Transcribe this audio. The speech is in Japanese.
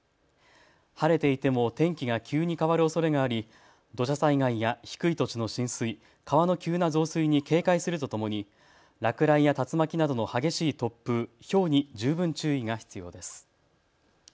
晴れていても天気が急に変わるおそれがあり、土砂災害や低い土地の浸水、川の急な増水に警戒するとともに落雷や竜巻などの激しい突風、ひょうに十分注意が必要です。